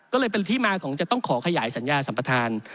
ก็เลยเป็นที่มาของจะต้องขอขยายสัญญาสัมปทาน